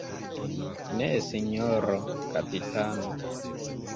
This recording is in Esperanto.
Ne, sinjoro kapitano.